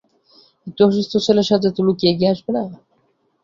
একটি অসুস্থ ছেলের সাহায্যে তুমি কি এগিয়ে আসবে না?